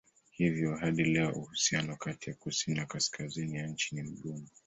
Hivyo hadi leo uhusiano kati ya kusini na kaskazini ya nchi ni mgumu.